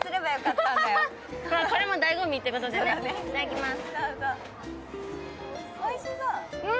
いただきます。